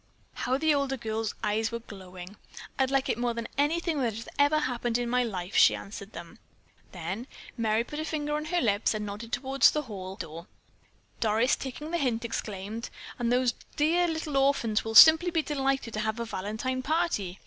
How the older girl's eyes were glowing! "I'd like it more than anything that has ever happened in my life," she answered them. Then Merry put a finger on her lips and nodded toward the hall door. Doris, taking the hint, exclaimed: "And those dear little orphans will be simply delighted to have a Valentine party.